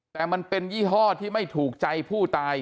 แต่มันเป็นยี่ห้อที่ไม่ถูกใจผู้ตาย